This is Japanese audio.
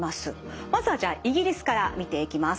まずはじゃあイギリスから見ていきます。